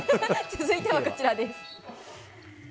続いてはこちらです。